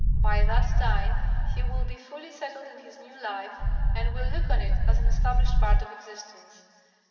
By that time he will be fully settled in his new life and will look on it as an established part of existence.